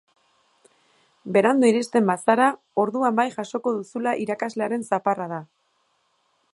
Berandu iristen bazara orduan bai jasoko duzula irakaslearen zaparrada!